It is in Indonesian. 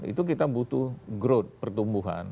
itu kita butuh growth pertumbuhan